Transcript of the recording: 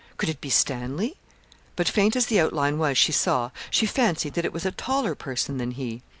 Could it be Stanley! But faint as the outline was she saw, she fancied that it was a taller person than he.